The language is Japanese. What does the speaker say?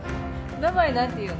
名前何ていうの？